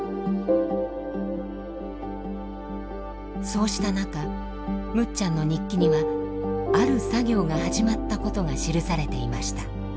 そうした中むっちゃんの日記にはある作業が始まったことが記されていました。